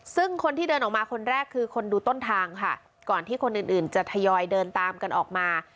ซึ่งคนที่เดินออกมาคนแรกคือคนดูต้นทางค่ะก่อนที่คนอื่นอื่นจะทยอยเดินตามกันออกมา